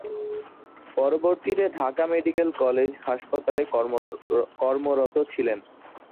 পরবর্তীতে Dhaka medical college হাসপাতালে কর্মরত ছিলেন।